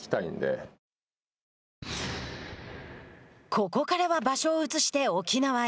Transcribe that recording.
ここからは場所を移して沖縄へ。